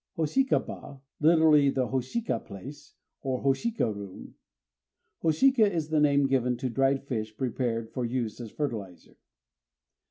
_ Hoshika ba: lit., "the hoshika place" or "hoshika room." "Hoshika" is the name given to dried fish prepared for use as fertilizer.